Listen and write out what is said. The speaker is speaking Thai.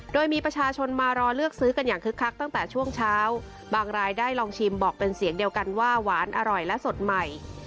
โดยมีประชาชนมารอเลือกซื้อกันอย่างคึกคักตั้งแต่ช่วงเช้าบางรายได้ลองชิมบอกเป็นเสียงเดียวกันว่าหวานอร่อยและสดใหม่